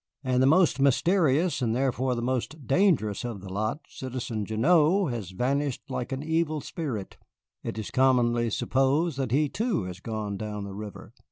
And the most mysterious and therefore the most dangerous of the lot, Citizen Gignoux, has vanished like an evil spirit. It is commonly supposed that he, too, has gone down the river.